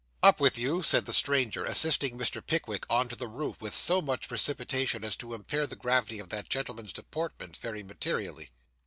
'Up with you,' said the stranger, assisting Mr. Pickwick on to the roof with so much precipitation as to impair the gravity of that gentleman's deportment very materially.